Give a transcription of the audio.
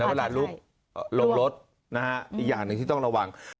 เวลาลูกลงรถอีกอย่างหนึ่งที่ต้องระวัง